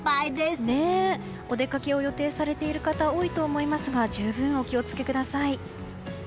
お出かけを予定されている方が多いと思いますが十分、お気を付けください。